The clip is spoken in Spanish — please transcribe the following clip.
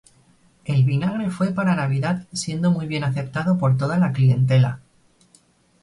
El vinagre fue para Navidad siendo muy bien aceptado por toda la clientela.